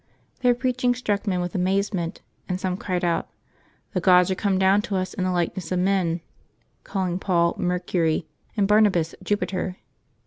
Their preaching struck men with amazement, and some cried out, *' The gods are come down to us in the likeness of men," calling Paul Mercury, and Barnabas Jupiter.